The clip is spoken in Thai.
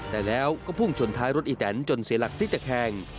แต่แล้วก็พุ่งชนท้ายรถอีแตนจนเสียหลักพลิกตะแคง